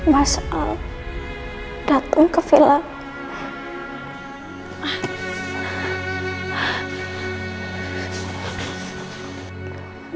mas al datang ke film